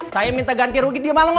saya minta ganti rugi dia malah ngomong ya